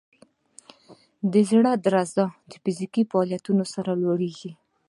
د زړه درزا د فزیکي فعالیت سره لوړېږي.